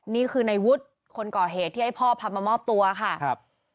นี่คือในวุฒิคนก่อเหตุที่ให้พ่อพามามอบตัวค่ะครับ